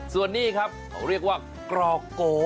ส่วนนี้ครับเขาเรียกว่ากรอกโก